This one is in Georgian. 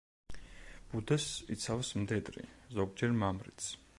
ბუდეს იცავს მდედრი, ზოგჯერ მამრიც.